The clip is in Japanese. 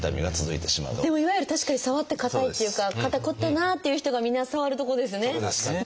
でもいわゆる確かに触って硬いっていうか肩こってるなっていう人がみんな触るとこですね。